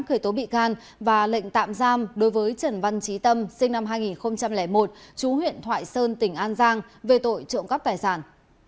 khởi tố bị can và lệnh tạm giam đối với trần văn trí tâm sinh năm hai nghìn một chú huyện thoại sơn tỉnh an giang về tội trộm cắp tài sản